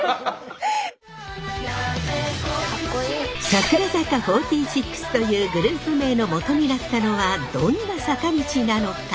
櫻坂４６というグループ名のもとになったのはどんな坂道なのか？